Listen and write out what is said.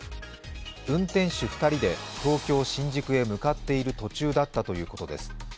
運転手２人で東京・新宿へ向かっている途中だったということです。